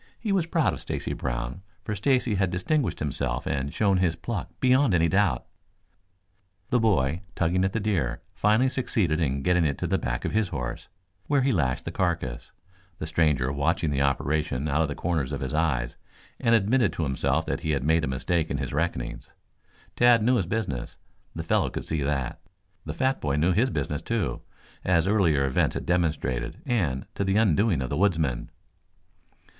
He was proud of Stacy Brown, for Stacy had distinguished himself and shown his pluck beyond any doubt. The boy, tugging at the deer, finally succeeded in getting it to the back of his horse, where he lashed the carcass, the stranger watching the operation out of the corners of his eyes, and admitted to himself that he had made a mistake in his reckonings. Tad knew his business. The fellow could see that. The fat boy knew his business, too, as earlier events had demonstrated, and to the undoing of the woodsman.